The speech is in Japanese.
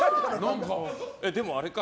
でもあれか。